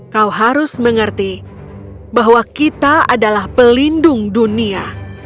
kau harus mengerti bahwa kita adalah pelindung dunia